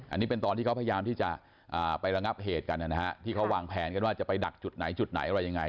อันนี้เป็นตอนที่เขาพยายามที่จะไประงับเหตุกันนะฮะที่เขาวางแผนกันว่าจะไปดักจุดไหนจุดไหนอะไรยังไง